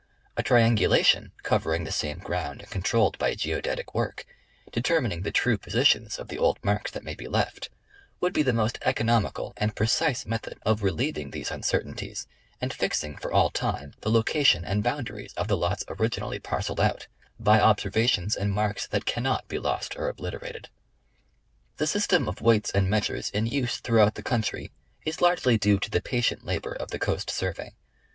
A triangulation covering the same ground and controlled by Geodetic work, determining the true positions of the old marks that may be left, would be the most economical and precise method of relieving these uncei'tainties and fixing for all time the location and boundaries of the lots originally parcelled out , by observations and marks that cannot be lost or obliterated. The system of weights and measures in use throughout the country is largely due to the patient labor of the Coast Survey.